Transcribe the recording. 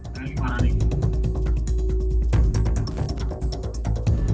yang keempat anik